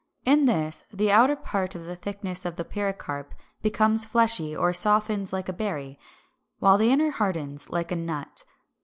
In this the outer part of the thickness of the pericarp becomes fleshy, or softens like a berry, while the inner hardens, like a nut.